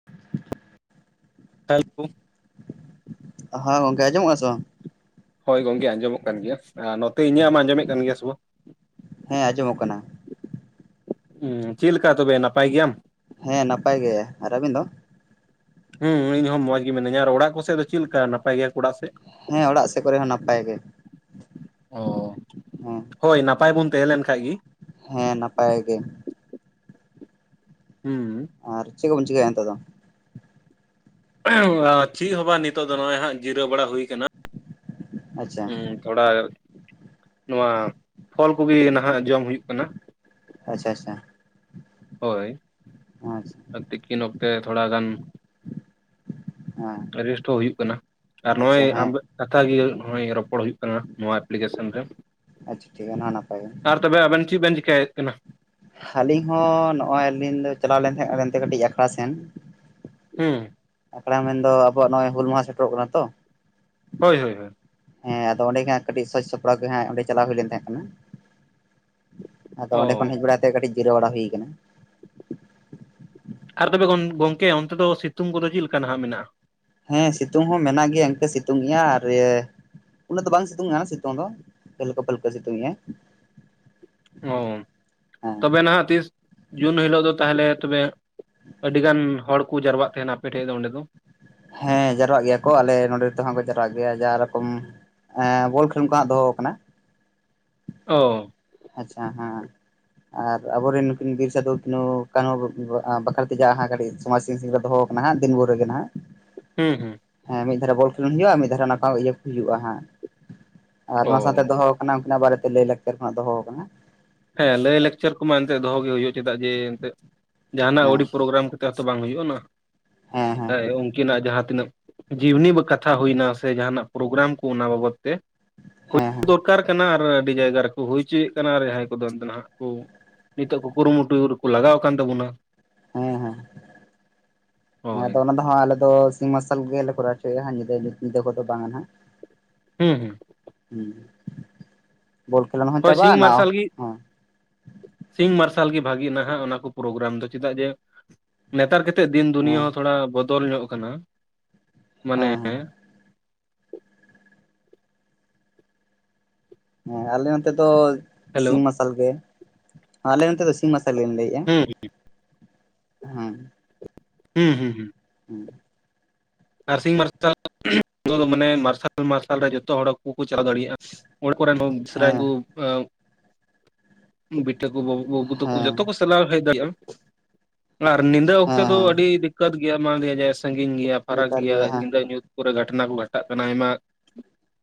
[inaudible] ᱦᱮ ᱞᱳ [unintelligible] ᱦᱮᱸ ᱜᱚᱝᱠᱮ, ᱟᱸᱡᱚᱢᱚᱜᱼᱟ ᱥᱮ ᱵᱟᱝ? ᱦᱳᱭ ᱜᱚᱢᱠᱮ, ᱟᱸᱡᱚᱢᱚᱜ ᱠᱟᱱ ᱜᱮᱭᱟ ᱟᱨ ᱱᱚᱛᱮ ᱤᱧᱟᱹᱜ ᱟᱸᱡᱚᱢᱮᱫ ᱠᱟᱱ ᱜᱮᱭᱟ ᱥᱮ ᱵᱟᱝ? ᱦᱮᱸ, ᱟᱸᱡᱚᱢᱚᱜ ᱠᱟᱱᱟ᱾ ᱦᱮᱸ ᱪᱮᱫ ᱞᱮᱠᱟ, ᱛᱚᱵᱮ ᱱᱟᱯᱟᱭ ᱜᱮᱭᱟᱢ? ᱦᱮᱸ ᱱᱟᱯᱟᱭ ᱜᱮ᱾ ᱟᱨ ᱟᱹᱵᱤᱱ ᱫᱚ? ᱦᱮᱸ ᱤᱧ ᱦᱚᱸ ᱢᱚᱸᱡᱽ ᱜᱮ ᱢᱤᱱᱟᱹᱧᱟ, ᱟᱨ ᱚᱲᱟᱜ ᱠᱚ ᱥᱮᱫ ᱫᱚ ᱪᱮᱫ ᱞᱮᱠᱟ, ᱱᱟᱯᱟᱭ ᱜᱮᱭᱟ ᱠᱚ ᱚᱲᱟᱜ ᱥᱮᱫ? ᱦᱮᱸ ᱚᱲᱟᱜ ᱥᱮᱫ ᱠᱚᱨᱮ ᱦᱚᱸ, ᱱᱟᱯᱟᱭ ᱜᱮ᱾ ᱚ ᱦᱮᱸ ᱦᱳᱭ ᱱᱟᱯᱟᱭ ᱵᱚᱱ ᱛᱟᱦᱮᱸᱞᱮᱱ ᱠᱷᱟᱡᱽ ᱜᱮ᱾ ᱦᱮᱸ ᱱᱟᱯᱟᱭ ᱜᱮ᱾ ᱦᱩᱸ᱾ ᱟᱨ ᱪᱮ ᱠᱚᱵᱤᱱ ᱪᱤᱠᱟ ᱮᱫᱟ ᱱᱤᱛᱚᱜ ᱫᱚ? ᱪᱮᱫ ᱦᱚᱸ ᱵᱟᱝ ᱱᱤᱛᱚᱜ ᱫᱚ ᱱᱚᱜᱼᱚᱭ ᱦᱟᱸᱜ, ᱡᱤᱨᱟᱹᱣ ᱵᱟᱲᱟ ᱦᱩᱭ ᱠᱟᱱᱟ᱾ ᱟᱪᱪᱷᱟ ᱦᱮᱸ ᱛᱷᱚᱲᱟ ᱱᱚᱣᱟ ᱯᱷᱚᱞ ᱠᱚᱜᱮ ᱱᱟᱦᱟᱜ ᱡᱚᱢ ᱦᱩᱭᱩᱜ ᱠᱟᱱᱟ᱾ ᱟᱪᱪᱷᱟ, ᱟᱪᱪᱷᱟ᱾ ᱦᱳᱭ᱾ ᱟᱪᱪᱷᱟ᱾ ᱛᱤᱠᱤᱱ ᱚᱠᱛᱮ ᱛᱷᱚᱲᱟ ᱜᱟᱱ ᱦᱮᱸ ᱨᱮᱥᱴᱚ ᱦᱚᱸ ᱦᱩᱭᱩᱜ ᱠᱟᱱᱟ, ᱟᱨ ᱟᱪᱪᱷᱟ ᱱᱚᱜᱼᱚᱭ ᱦᱮᱸ ᱟᱢ ᱠᱟᱛᱷᱟ ᱜᱮ ᱱᱚᱜᱼᱚᱭ ᱨᱚᱯᱚᱲ ᱦᱩᱭᱩᱜ ᱠᱟᱱᱟ᱾ ᱱᱚᱣᱟ ᱮᱯᱞᱤᱠᱮᱥᱮᱱ ᱨᱮ᱾ ᱟᱪᱪᱷᱟ ᱴᱷᱤᱠ ᱜᱮᱭᱟ, ᱚᱱᱟ ᱦᱚᱸ ᱱᱟᱯᱟᱭ ᱜᱮ ᱟᱨ ᱛᱚᱵᱮ ᱟᱵᱮᱱ ᱪᱮᱫ ᱵᱮᱱ ᱪᱮᱠᱟᱭᱮᱫ ᱠᱟᱱᱟ? ᱟᱹᱞᱤᱧ ᱦᱚᱸ ᱱᱚᱜᱼᱚᱭ ᱟᱹᱞᱤᱧ ᱫᱚ ᱪᱟᱞᱟᱣ ᱞᱮᱱ ᱛᱟᱦᱮᱸ ᱮᱱᱛᱮ ᱠᱟᱹᱴᱤᱡ ᱟᱹᱠᱷᱲᱟ ᱥᱮᱱ᱾ ᱦᱩᱸ᱾ ᱟᱠᱷᱲᱟ ᱢᱮᱱ ᱫᱚ ᱟᱵᱚᱣᱟᱜ ᱱᱚᱜᱼᱚᱭ ᱦᱩᱞ ᱢᱟᱦᱟᱸ ᱥᱮᱴᱮᱨᱚᱜ ᱠᱟᱱᱟ ᱛᱚ᱾ ᱦᱳᱭ, ᱦᱳᱭ, ᱦᱳᱭ᱾ ᱦᱮᱸ ᱟᱫᱚ ᱚᱸᱰᱮ ᱜᱮ ᱠᱟᱹᱴᱤᱡ ᱥᱚᱡᱽ ᱥᱚᱯᱲᱟᱣ ᱜᱮ ᱦᱟᱸᱜ ᱚᱸᱰᱮ ᱪᱟᱞᱟᱣ ᱦᱩᱭ ᱞᱮᱱ ᱛᱟᱦᱮᱸ ᱠᱟᱱᱟ᱾ ᱟᱫᱚ ᱚᱸᱰᱮ ᱚ ᱠᱷᱚᱱ ᱦᱮᱡ ᱵᱟᱲᱟ ᱛᱮ ᱠᱟᱹᱴᱤᱡ ᱡᱤᱨᱟᱹ ᱵᱟᱲᱟ ᱦᱩᱭᱩ ᱠᱟᱱᱟ᱾ ᱟᱨ ᱛᱚᱵᱮ ᱜᱚᱝᱠᱮ ᱚᱱᱛᱮ ᱫᱚ ᱥᱤᱛᱩᱝ ᱠᱚᱫᱚ ᱪᱮᱫ ᱞᱮᱠᱟ ᱱᱟᱦᱟᱜ ᱢᱮᱱᱟᱜᱼᱟ? ᱦᱮᱸ ᱥᱤᱛᱩᱝ ᱦᱚᱸ ᱢᱮᱱᱟᱜ ᱜᱮᱭᱟ᱾ ᱤᱱᱠᱟᱹ ᱥᱤᱛᱩᱝ ᱜᱮᱭᱟ ᱟᱨ ᱤᱭᱟᱹ ᱩᱱᱟᱹᱜ ᱫᱚ ᱵᱟᱝ ᱥᱤᱛᱩᱝ ᱟᱸ ᱥᱤᱛᱩᱝ ᱫᱚ, ᱦᱟᱹᱞᱠᱟᱹ ᱯᱟᱹᱞᱠᱟᱹ ᱥᱤᱛᱩᱝ ᱮᱫᱟᱭ᱾ ᱚᱸᱻ, ᱛᱚᱵᱮ ᱱᱟᱦᱟᱜ ᱛᱤᱥ ᱡᱩᱱ ᱦᱤᱞᱳᱜ ᱫᱚ ᱛᱟᱦᱚᱞᱮ ᱛᱚᱵᱮ ᱟᱹᱰᱤ ᱜᱟᱱ ᱦᱚᱲ ᱠᱚ ᱡᱟᱨᱣᱟᱜ ᱛᱟᱦᱮᱱᱟ, ᱟᱯᱮᱴᱷᱮᱜ ᱫᱚ ᱚᱸᱰᱮ ᱫᱚ? ᱦᱮᱸ ᱡᱟᱨᱣᱟᱜ ᱜᱮᱭᱟ ᱠᱚ᱾ ᱟᱞᱮ ᱱᱚᱰᱮ ᱛᱮᱦᱚᱸ ᱠᱚ ᱡᱟᱨᱣᱟᱜ ᱜᱮᱭᱟ ᱡᱟ ᱨᱚᱠᱚᱢ ᱦᱮᱸ, ᱵᱚᱞ ᱠᱷᱮᱞ ᱠᱚ ᱦᱟᱸᱜ ᱫᱚᱦᱚᱣ ᱠᱟᱱᱟ᱾ ᱚᱸ᱾ ᱟᱪᱪᱷᱟ, ᱦᱚᱸ᱾ ᱟᱨ ᱟᱵᱚᱨᱮᱱ ᱱᱩᱠᱤᱱ ᱵᱤᱨ ᱥᱤᱹᱫᱷᱩ- ᱠᱟᱹᱱᱦᱩ ᱵᱟᱹᱠᱷᱨᱟ ᱛᱮ ᱡᱟᱦᱟᱸ ᱠᱟᱹᱴᱤᱡ ᱥᱚᱢᱟᱡᱽ ᱥᱤᱧᱥᱟᱜ ᱥᱟ ᱨᱮ ᱫᱚᱦᱚ ᱱᱟᱦᱟᱜ ᱫᱤᱱ ᱵᱷᱳᱨ ᱨᱮᱜᱮ ᱦᱟᱸᱜ᱾ ᱦᱩᱸ, ᱦᱩᱸ᱾ ᱦᱮᱸ ᱢᱤᱫ ᱫᱷᱟᱨᱮ ᱵᱚᱞ ᱠᱷᱮᱞᱳᱱ ᱦᱩᱭᱩᱜᱼᱟ᱾ ᱢᱤᱫ ᱫᱷᱟᱨᱮ ᱱᱟᱯᱟ ᱤᱭᱟᱹ ᱠᱚ ᱦᱩᱭᱩᱜᱼᱟ᱾ ᱦᱟᱸ ᱟᱨ ᱚ ᱚᱱᱟ ᱥᱟᱶᱛᱮ ᱫᱚᱦᱚ ᱥᱟᱱᱟᱢ ᱩᱱᱠᱤᱱᱟᱜ ᱵᱟᱨᱮ ᱛᱮ ᱞᱟᱹᱭ ᱞᱟᱠᱪᱟᱨ ᱠᱷᱚᱱᱟᱜ ᱫᱚᱦᱚᱣ, ᱠᱟᱱᱟ ᱦᱮᱸ ᱞᱟᱹᱭ ᱞᱟᱠᱪᱟᱨ ᱠᱚᱢᱟ ᱮᱱᱛᱮᱜ ᱫᱚᱦᱚ ᱜᱮ ᱦᱩᱭᱩᱜᱼᱟ᱾ ᱪᱮᱫᱟᱜ ᱡᱮ ᱮᱱᱛᱮᱜ ᱡᱟᱦᱟᱱᱟᱜ ᱦᱮᱸ ᱚᱣᱰᱤ ᱯᱨᱳᱜᱨᱟᱢ ᱪᱚ ᱵᱟᱝ ᱦᱩᱭᱩᱜᱼᱟ, ᱱᱟᱸᱜ ᱦᱮᱸ ᱦᱮᱸ ᱩᱱᱠᱤᱱᱟᱜ ᱡᱟᱦᱟᱸ ᱛᱤᱱᱟᱹᱜ ᱡᱤᱵᱽᱱᱤ ᱵᱟ ᱠᱟᱛᱷᱟ ᱦᱩᱭᱱᱟ ᱥᱮ ᱡᱟᱦᱟᱱᱟᱜ ᱯᱨᱳᱜᱨᱟᱢ ᱠᱚ ᱚᱱᱟ ᱵᱟᱵᱚᱫ ᱛᱮ ᱦᱮᱸ ᱫᱚᱨᱠᱟᱨ ᱠᱟᱱᱟ ᱟᱨ ᱟᱹᱰᱤ ᱡᱟᱭᱜᱟ ᱨᱮᱠᱚ ᱦᱩᱭ ᱪᱩᱭᱮᱜ ᱠᱟᱱᱟ ᱟᱨ ᱡᱟᱦᱟᱸᱭ ᱠᱚ ᱫᱚ ᱚᱱᱛᱮ ᱱᱟᱜ ᱠᱚ ᱱᱤᱛᱚᱜ ᱠᱚ ᱠᱩᱨᱩ-ᱢᱩᱴᱩ ᱨᱮᱠᱚ ᱞᱟᱜᱟᱣ ᱟᱠᱟᱱ ᱛᱟᱵᱚᱱᱟ᱾ ᱦᱮᱸ ᱦᱮᱸ ᱦᱮᱸ ᱦᱳᱭ ᱦᱮᱛᱚ ᱚᱱᱟ ᱫᱚ ᱦᱚᱸ ᱟᱞᱮ ᱫᱚ ᱥᱤᱧ ᱢᱟᱨᱥᱟᱞ ᱜᱮᱞᱮ ᱠᱚᱨᱟᱣ ᱚᱪᱚᱭᱟ-ᱟ ᱧᱤᱫᱟᱹ ᱠᱚᱫᱚ ᱵᱟᱝ-ᱟ ᱱᱦᱟᱜ᱾ ᱦᱩᱸ ᱦᱩᱸ ᱦᱩᱸ ᱵᱚᱞ ᱠᱷᱮᱞᱟᱱ ᱦᱚᱸ ᱦᱳᱭ ᱥᱤᱧ ᱪᱟᱵᱟᱜᱼᱟ ᱱᱟ ᱢᱟᱨᱥᱟᱞ ᱜᱤ᱾ ᱦᱚᱸ ᱥᱤᱧ ᱢᱟᱨᱥᱟᱞ ᱜᱮ ᱵᱷᱟᱜᱤ ᱱᱟᱦᱟᱜ ᱚᱱᱟ ᱠᱚ ᱯᱨᱳᱜᱨᱟᱢ ᱫᱚ ᱪᱮᱫᱟᱜ ᱡᱮ ᱱᱮᱛᱟᱨ ᱠᱮᱛᱮᱜ ᱫᱤᱱ ᱫᱩᱱᱤᱭᱟᱹ ᱦᱮᱸ ᱦᱚᱸ ᱛᱷᱚᱲᱟ ᱵᱚᱫᱚᱞ ᱧᱚᱜ ᱠᱟᱱᱟ᱾ ᱢᱟᱱᱮ ᱦᱮᱸ ᱦᱮᱸ ᱦᱮᱸ ᱟᱞᱮ ᱱᱛᱮ ᱫᱚ ᱦᱮᱞᱳ ᱥᱤᱧ ᱢᱟᱨᱥᱟᱞ ᱜᱮ ᱟᱞᱮ ᱱᱛᱮ ᱫᱚ ᱥᱤᱧ ᱢᱟᱨᱥᱟᱞ ᱜᱮᱧ ᱞᱟᱹᱭ ᱠᱮᱜ-ᱟ ᱦᱩᱸ ᱦᱮᱸ ᱦᱩᱸ ᱦᱩᱸ ᱦᱩᱸ ᱦᱩᱸ ᱟᱨᱥᱤᱝ ᱢᱟᱨᱥᱟᱞ [unintelligible] ᱢᱟᱱᱮ ᱢᱟᱨᱥᱟᱞ ᱢᱟᱨᱥᱟᱞ ᱨᱮ ᱡᱚᱛᱚ ᱦᱚᱲ ᱠᱚᱠᱚ ᱪᱟᱞᱟᱣ ᱫᱟᱲᱤᱭᱟᱜ-ᱟ᱾ ᱦᱚᱲ ᱠᱚᱨᱮᱱ [unintelligible] ᱵᱮᱥᱨᱟ ᱦᱮᱸ ᱠᱩ ᱟ ᱵᱤᱴᱟᱹ ᱠᱩ ᱵᱟᱹᱵᱩ ᱛᱟᱠᱚ ᱡᱚᱛᱚ ᱠᱚ ᱪᱟᱞᱟᱣ ᱦᱮᱡ ᱫᱟᱲᱮᱭᱟᱜ-ᱟ, ᱟᱨ ᱱᱤᱫᱟᱹ ᱚᱠᱛᱮ ᱦᱮᱸ ᱫᱚ ᱦᱮᱸ ᱟᱹᱰᱤ ᱫᱤᱠᱠᱟᱹᱛ ᱜᱮᱭᱟ ᱢᱟᱜᱮ ᱥᱟᱺᱜᱤᱧ ᱜᱮᱭᱟ᱾ ᱯᱷᱟᱨᱟᱠ ᱵᱮᱠᱟᱨ ᱜᱮᱭᱟ ᱦᱮᱸ ᱧᱤᱫᱟᱹ ᱧᱩᱛ ᱠᱚᱨᱮ ᱜᱷᱟᱴᱱᱟ ᱠᱚ ᱜᱷᱟᱴᱟᱜ ᱠᱟᱱᱟ ᱟᱭᱢᱟ᱾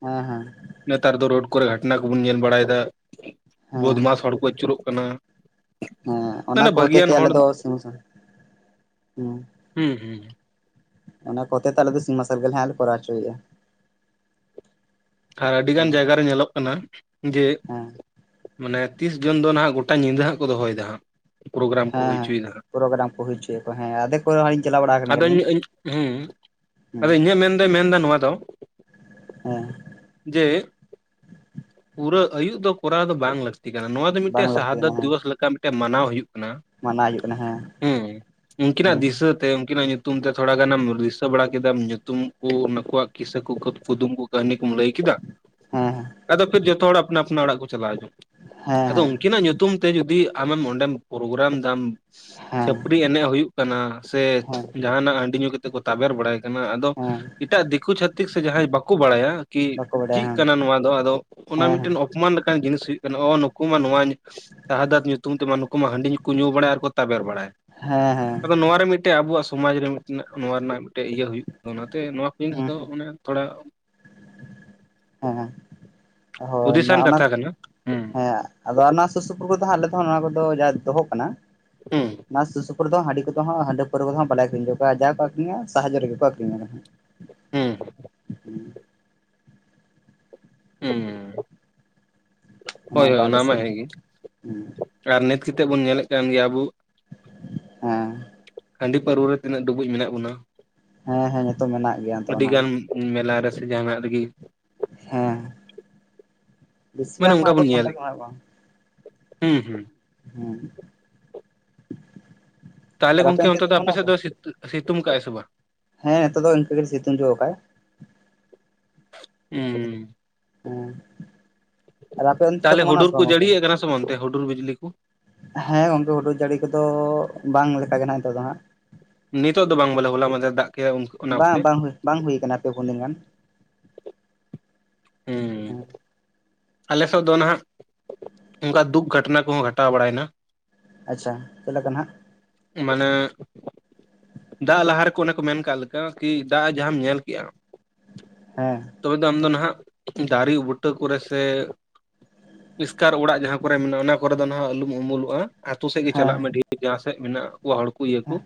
ᱦᱮᱸ ᱦᱮᱸ ᱱᱮᱛᱟᱨ ᱫᱚ ᱨᱳᱰ ᱠᱚᱨᱮ ᱜᱷᱟᱴᱱᱟ ᱠᱚᱵᱚᱱ ᱧᱮᱞ ᱵᱟᱲᱟᱭ ᱫᱟ ᱦᱮᱸ ᱵᱳᱫᱢᱟᱥ ᱦᱚᱲ ᱠᱚ ᱟᱹᱪᱩᱨᱚᱜ ᱠᱟᱱᱟ᱾ ᱦᱮᱸ ᱚᱱᱟ ᱢᱟᱱᱮ ᱠᱚ ᱦᱚᱛᱮ ᱵᱷᱟᱹᱜᱤᱭᱟᱱ ᱛᱮ ᱦᱚᱲ ᱟᱞᱮ ᱫᱚ ᱥᱮᱸ ᱥᱮᱸ ᱦᱩᱸ ᱦᱩᱸ ᱦᱩᱸ ᱚᱱᱟ ᱠᱚ ᱦᱚᱛᱮ ᱛᱮ ᱟᱞᱮ ᱫᱚ ᱥᱤᱧ ᱢᱟᱨᱥᱟᱞ ᱜᱮᱞᱮ ᱦᱟᱸᱜ ᱞᱮ ᱠᱚᱨᱟᱣ ᱦᱚᱪᱚᱭᱮᱜ-ᱟ᱾ ᱟᱨ ᱟᱹᱰᱤ ᱜᱟᱱ ᱦᱮᱸ ᱡᱟᱭᱜᱟᱨᱮ ᱧᱮᱞᱚᱜ ᱠᱟᱱᱟ, ᱡᱮ ᱦᱮᱸ ᱢᱟᱱᱮ ᱛᱤᱥ ᱡᱚᱱ ᱫᱚ ᱱᱦᱟᱸᱜ ᱜᱚᱴᱟ ᱧᱤᱫᱟᱹ ᱦᱟᱸᱜ ᱠᱚ ᱫᱚᱦᱚᱭᱮᱫᱟ ᱦᱟᱸᱜ, ᱯᱨᱳᱜᱨᱟᱢ ᱠᱚ ᱦᱮᱸ ᱦᱩᱭ ᱦᱮᱸ ᱦᱩᱪᱚᱭ ᱫᱟ ᱦᱟᱸᱜ᱾ ᱯᱨᱳᱜᱨᱟᱢ ᱠᱚ ᱦᱩᱭ ᱪᱚᱭ ᱠᱚ, ᱦᱮᱸ ᱟᱫᱮᱠ ᱠᱚᱨᱮᱞᱤᱧ ᱪᱟᱞᱟᱣ ᱵᱟᱲᱟ ᱟᱠᱟᱱ ᱟᱫᱚ ᱜᱮᱭᱟᱞᱤᱧ᱾ ᱦᱩᱸ ᱦᱮᱸ ᱟᱫᱚ ᱤᱧᱟᱹᱜ ᱢᱮᱱ ᱫᱚᱭ ᱢᱮᱱᱫᱟ ᱱᱚᱣᱟ ᱫᱚ ᱦᱮᱸ ᱡᱮ ᱯᱩᱨᱟᱹ ᱟᱹᱭᱩᱜ ᱫᱚ ᱠᱚᱨᱟᱣ ᱫᱚ ᱵᱟᱝ ᱞᱟ ᱛᱤ ᱠᱟᱱᱟ, ᱱᱚᱣᱟ ᱫᱚ ᱢᱤᱫᱴᱮᱡ ᱵᱟᱝ ᱞᱟᱹᱠᱛᱤ ᱥᱟᱦᱟ ᱫᱟᱹᱛ ᱠᱟᱱᱟ ᱦᱮᱸ ᱫᱤᱵᱚᱥ ᱞᱮᱠᱟ ᱢᱤᱫᱴᱮᱱ ᱢᱟᱱᱟᱣ ᱦᱩᱭᱩᱜ ᱠᱟᱱᱟ᱾ ᱢᱟᱱᱟᱣ ᱦᱩᱭᱩᱜ ᱠᱟᱱᱟ ᱦᱮᱸ ᱦᱩᱸ, ᱦᱮᱸ ᱩᱝᱠᱤᱱᱟᱜ ᱫᱤᱥᱟᱹ ᱛᱮ ᱩᱝᱠᱤᱱᱟᱜ ᱧᱩᱛᱩᱢ ᱛᱮ ᱛᱷᱚᱲᱟ ᱜᱟᱱᱮᱢ ᱨᱤᱥᱟᱹ ᱵᱟᱲᱟ ᱠᱮᱫᱟᱢ ᱧᱩᱛᱩᱢ ᱠᱚ ᱱᱩᱠᱩᱣᱟᱜ ᱠᱤᱥᱟᱹ ᱠᱚ ᱠᱩᱫᱩᱢ ᱠᱩ᱾ ᱠᱟᱹᱦᱱᱤ ᱠᱚᱢ ᱞᱟᱹᱭ ᱠᱮᱫᱟ᱾ ᱦᱮᱸ ᱦᱮᱸ ᱟᱫᱚ ᱯᱷᱤᱨ ᱡᱚᱛᱚ ᱦᱚᱲ ᱟᱯᱱᱟ ᱟᱯᱱᱟ ᱚᱲᱟᱜ ᱠᱚ ᱪᱟᱞᱟᱣ ᱡᱚᱝ, ᱦᱮᱸ ᱟᱫᱚ ᱦᱮᱸ ᱩᱝᱠᱤᱱᱟᱜ ᱧᱩ ᱛᱩᱢ ᱛᱮ ᱡᱩᱫᱤ ᱟᱢᱮᱢ ᱚᱸᱰᱮᱢ ᱯᱨᱳᱜᱨᱟᱢ ᱫᱟᱢ ᱦᱮᱸ ᱪᱷᱟᱹᱯᱨᱤ ᱮᱱᱮᱜ ᱦᱩᱭᱩᱜ ᱠᱟᱱᱟ, ᱥᱮ ᱡᱟᱦᱟᱸᱱᱟᱜ ᱦᱟᱺᱰᱤ ᱧᱩ ᱠᱟᱛᱮ ᱠᱚ ᱛᱟᱵᱮᱨ ᱵᱟᱲᱟᱭ ᱠᱟᱱᱟ ᱟᱫᱚ ᱦᱮᱸ ᱦᱮᱸ ᱮᱴᱟᱜ ᱫᱤᱠᱩ ᱪᱷᱟᱛᱤᱠ ᱥᱮ ᱡᱟᱦᱟᱸᱭ ᱵᱟ ᱠᱩ ᱵᱟᱲᱟᱭᱟ ᱠᱤ ᱵᱟᱠᱚ ᱵᱟᱰᱟᱭᱟ ᱪᱤᱜ ᱦᱟᱝ ᱠᱟᱱᱟ ᱱᱚᱣᱟ ᱫᱚ, ᱟᱫᱚ ᱚᱱᱟ ᱦᱮᱸ ᱢᱤᱫᱴᱮᱱ ᱚᱯᱢᱟᱱ ᱞᱮᱠᱟᱱ ᱡᱤᱱᱤᱥ ᱦᱩᱭᱩᱜ ᱠᱟᱱᱟ᱾ᱚ ᱱᱩᱠᱩ ᱢᱟ ᱱᱚᱣᱟ ᱥᱟᱦᱟᱫᱟᱨ ᱧᱩᱛᱩᱢ ᱛᱮᱢᱟ ᱱᱩᱠᱩ ᱢᱟ ᱦᱟᱺᱰᱤ ᱧᱩ ᱠᱚ ᱧᱩ ᱵᱟᱲᱟᱭ ᱟᱨᱠᱚ ᱛᱟᱵᱮᱨ ᱵᱟᱲᱟᱭ᱾ ᱦᱮᱸ ᱦᱮᱸ ᱟᱫᱚ ᱱᱚᱣᱟ ᱨᱮ ᱢᱤᱜᱴᱮᱡ ᱟᱵᱚᱣᱟᱜ ᱥᱚᱢᱟᱡᱽ ᱨᱮ ᱢᱤᱴᱮ ᱱᱟᱜ ᱱᱚᱣᱟ ᱨᱮᱱᱟᱜ ᱢᱤᱫᱴᱮᱡ ᱤᱭᱟᱹ ᱦᱩᱭᱩᱜ ᱠᱟᱱᱟ ᱚᱱᱟᱛᱮ ᱱᱚᱣᱟ ᱡᱤᱱᱤᱥ ᱦᱮᱸ ᱫᱚ ᱚᱱᱮ ᱛᱷᱚᱲᱟ ᱦᱮᱸ ᱦᱳᱭ ᱱᱚᱜ ᱦᱩᱫᱤᱥᱟᱱ ᱚᱱᱟ ᱠᱟᱛᱷᱟ ᱠᱟᱱᱟ ᱦᱩᱸ ᱦᱮᱸ᱾ ᱟᱫᱚ ᱱᱚᱣᱟ ᱥᱩᱨ ᱥᱩᱯᱩᱨ ᱠᱚᱫᱚ ᱦᱟᱸᱜ ᱟᱞᱮ ᱫᱚ ᱱᱚᱣᱟ ᱠᱚᱫᱚ ᱡᱟ ᱫᱚᱦᱚᱜ ᱠᱟᱱᱟ ᱦᱩᱸ ᱚᱱᱟ ᱥᱩᱨ ᱥᱩᱯᱩᱨ ᱫᱚ ᱦᱟᱸᱜ ᱦᱟᱺᱰᱤ ᱠᱚ ᱫᱚ ᱦᱟᱸᱜ ᱦᱟᱺᱰᱤ ᱯᱟᱹᱨᱩᱣᱟᱹᱭ ᱠᱚᱫᱚ ᱵᱟᱞᱮ ᱟᱹᱠᱨᱤᱧ ᱦᱚᱪᱚ ᱠᱚᱣᱟ ᱡᱟ ᱠᱚ ᱟᱹᱠᱨᱤᱧᱟ ᱥᱟᱦᱟ ᱧᱚᱜ ᱨᱮᱠᱚ ᱟᱹᱠᱨᱤᱧᱟ᱾ ᱦᱩᱸ ᱦᱩᱸ ᱚᱱᱮ ᱦᱳᱭ ᱦᱳᱭ ᱚᱱᱠᱟ ᱚᱱᱟ ᱟᱞᱮ ᱢᱟ ᱥᱮᱱ ᱦᱮᱸ ᱦᱚᱸ ᱜᱮ᱾ ᱟᱨ ᱱᱤᱛ ᱠᱟᱛᱮ ᱵᱚᱱ ᱧᱮᱞᱮᱫ ᱠᱟᱱ ᱜᱮᱭᱟ ᱟᱵᱚ ᱦᱮᱸ᱾ ᱦᱟᱺᱰᱤ ᱯᱟᱹᱨᱩᱣᱟᱹ ᱨᱮ ᱛᱤᱱᱟᱹᱜ ᱰᱩᱵᱩᱡ ᱢᱮᱱᱟᱜ ᱵᱚᱱᱟ? ᱦᱮᱸ ᱦᱮᱸ ᱱᱤᱛᱚᱜ ᱢᱮᱱᱟᱜ ᱜᱮᱭᱟ ᱛᱚ ᱟᱹᱰᱤ ᱚᱱᱟ ᱜᱟᱱ ᱢᱮᱞᱟ ᱨᱮ ᱥᱮ ᱡᱟᱦᱟᱸᱱᱟᱜ ᱨᱮᱜᱮ ᱦᱮᱸ ᱾ ᱢᱟᱱᱮ ᱚᱱᱠᱟ ᱵᱚᱱ ᱧᱮᱞᱮᱫ ᱦᱩᱸ ᱦᱩᱸ᱾ ᱦᱩᱸ ᱾ ᱛᱟᱦᱚᱞᱮ ᱜᱚᱝᱠᱮ ᱚᱱᱛᱮ ᱫᱚ ᱟᱯᱮ ᱥᱮᱫ ᱫᱚ ᱥᱤᱛ ᱥᱤᱛᱩᱝ ᱠᱟᱜᱼᱟ ᱥᱮ ᱵᱟᱝ? ᱦᱮᱸ ᱱᱤᱛᱚᱜ ᱫᱚ ᱤᱱᱠᱟᱹ ᱜᱮ ᱥᱤᱛᱩᱝ ᱡᱚ ᱟᱠᱟᱜᱼᱟᱭ ᱾ ᱩᱸ ᱾ ᱩᱸ ᱟᱨ ᱟᱯᱮ ᱚᱱᱛᱮ ᱫᱚ ᱠᱚ ᱢᱟᱱᱟᱣᱟ ᱥᱮ ᱵᱟᱝ ᱜᱚᱝᱠᱮ? ᱥᱮᱸ ᱵᱟᱝ ᱚᱱᱛᱮ ᱦᱩᱰᱩᱨ ᱵᱤᱡᱽᱞᱤ ᱠᱩ᱾ ᱦᱮᱸ ᱜᱚᱝᱠᱮ ᱦᱩᱰᱩᱨ ᱡᱟᱹᱲᱤ ᱠᱚᱫᱚ ᱵᱟᱝ ᱞᱮᱠᱟᱜᱮ ᱱᱟᱜ ᱱᱤᱛᱚᱜ ᱫᱚ ᱦᱟᱸᱜ ᱾ ᱱᱤᱛᱚᱜ ᱫᱚ ᱵᱟᱝ ᱵᱚᱞᱮ ᱦᱚᱞᱟ ᱢᱟᱫᱷᱮᱨ ᱫᱟᱜ ᱠᱮᱜᱼᱟ ᱩᱱᱠᱩ? ᱵᱟᱝ ᱵᱟᱝ ᱵᱟᱝ ᱦᱩᱭ ᱠᱟᱱᱟ ᱯᱮ ᱯᱩᱱ ᱫᱤᱱ ᱜᱟᱱ ᱦᱩᱸ ᱾ ᱟᱞᱮ ᱥᱮᱫ ᱫᱚ ᱱᱟᱦᱟᱜ ᱚᱱᱠᱟ ᱫᱩᱠ ᱜᱷᱟᱴᱟᱱᱟ ᱠᱚᱦᱚᱸ ᱜᱷᱟᱴᱟᱣ ᱵᱟᱲᱟᱭᱱᱟ ᱾ ᱟᱪᱪᱷᱟ ᱪᱮᱫ ᱞᱮᱠᱟ ᱱᱟᱦᱟᱜ? ᱢᱟᱱᱮ ᱫᱟᱜ ᱞᱟᱦᱟ ᱨᱮᱠᱚ ᱚᱱᱮ ᱠᱚ ᱢᱮᱱ ᱠᱟᱜ ᱞᱮᱠᱟ ᱠᱤ ᱫᱟᱜ ᱡᱟᱦᱟᱸᱢ ᱧᱮᱞ ᱠᱮᱜᱼᱟ᱾ ᱦᱮᱸ᱾ ᱛᱚᱵᱮ ᱫᱚ ᱟᱢ ᱫᱚ ᱱᱟᱦᱟᱜ ᱫᱟᱨᱮ ᱵᱩᱴᱟᱹ ᱠᱚᱨᱮ ᱥᱮ ᱤᱥᱠᱟᱨ ᱚᱲᱟᱜ ᱡᱟᱦᱟᱸ ᱠᱚᱨᱮ ᱢᱮᱱᱟᱜᱼᱟ ᱚᱱᱟ ᱠᱚᱨᱮ ᱫᱚ ᱱᱟᱦᱟᱜ ᱟᱞᱚᱢ ᱩᱢᱩᱞᱚᱜᱼᱟ ᱟᱛᱩ ᱥᱮᱫ ᱜᱮ ᱪᱟᱞᱟᱜ ᱢᱮ ᱦᱮᱸ ᱰᱷᱮᱨ ᱡᱟᱦᱟᱸ ᱥᱮᱡ ᱢᱮᱱᱟᱜᱼᱟ᱾ ᱠᱚ ᱦᱚᱲ ᱠᱚ ᱤᱭᱟᱹ ᱠᱚ